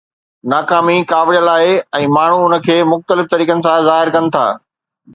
ناڪامي ڪاوڙيل آهي ۽ ماڻهو ان کي مختلف طريقن سان ظاهر ڪن ٿا.